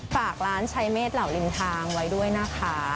ฝากร้านใช้เมฆเหล่าริมทางไว้ด้วยนะคะ